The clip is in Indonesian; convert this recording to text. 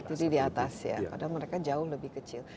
jadi di atas ya padahal mereka jauh lebih kecil